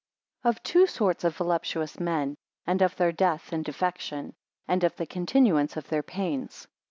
Of two sorts of voluptuous men, and of their death and defection; and of the continuance of their pains.